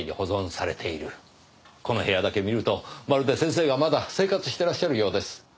この部屋だけ見るとまるで先生がまだ生活してらっしゃるようです。